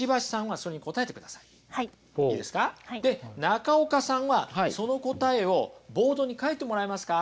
中岡さんはその答えをボードに書いてもらえますか。